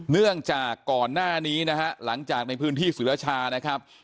เนื่องจากก่อนหน้านี้นะฮะหลังจากในพื้นที่สุรชานะครับ